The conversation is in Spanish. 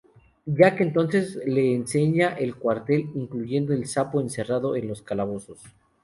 Jack entonces le enseña el cuartel, incluyendo el Sapo encerrado en los calabozos.